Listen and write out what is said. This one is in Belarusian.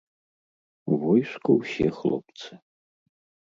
У войску ўсе хлопцы.